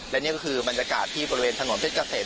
และนี่ก็คือบรรยากาศที่บริเวณถนนเพชรเกษม